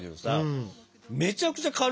めちゃくちゃ軽いわけよ。